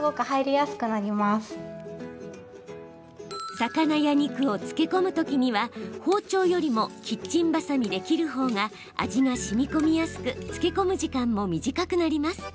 魚や肉を漬け込むときには包丁よりもキッチンバサミで切るほうが味がしみこみやすく漬け込む時間も短くなります。